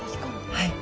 はい。